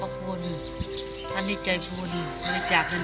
เราจะไปดูสภาพของร่างกายนะครับเกี่ยวกับเรื่องของโรคภัยความเจ็บป่วย